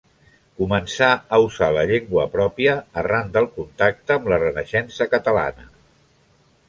Començà a usar la llengua pròpia arran del contacte amb la Renaixença catalana.